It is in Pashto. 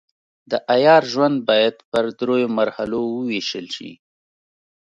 د عیار ژوند باید پر دریو مرحلو وویشل شي.